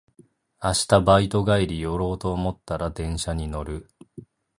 明日バイト帰り寄ろうと思ったら電車に乗る